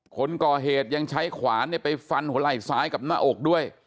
คนก่อเหตุยังใช้ขวานไปฟันหัวไหล่ซ้ายกับหน้าอกด้วย